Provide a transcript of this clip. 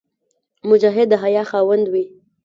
مجاهد د حیا خاوند وي.